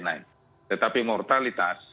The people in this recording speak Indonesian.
naik tetapi mortalitas